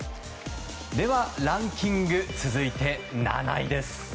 では、ランキング続いて７位です。